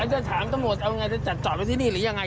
ไม่ได้ถามตำรวจจะจอดไว้ที่นี่หรือยังไง